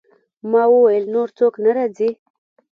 ما وویل: نور څوک نه راځي؟